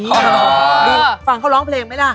อ๋อนี่ฟังเขาร้องเพลงไหมล่ะ